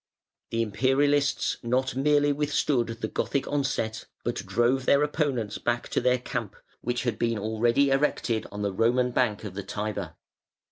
The Imperialists not merely withstood the Gothic onset, but drove their opponents back to their camp, which had been already erected on the Roman bank of the Tiber.